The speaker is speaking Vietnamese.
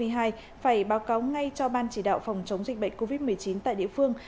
phải báo cáo ngay cho ban chỉ đạo phòng chống dịch bệnh covid một mươi chín tại địa phương